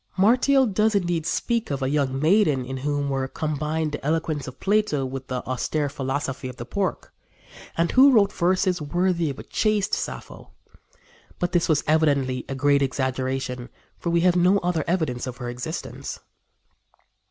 Martial does indeed speak of a young maiden in whom were combined the eloquence of Plato with the austere philosophy of the Porch, and who wrote verses worthy of a chaste Sappho; but this was evidently a great exaggeration, for we have no other evidence of her existence.